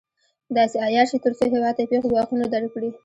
داسې عیار شي تر څو هېواد ته پېښ ګواښونه درک کړي.